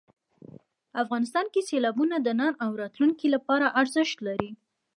افغانستان کې سیلابونه د نن او راتلونکي لپاره ارزښت لري.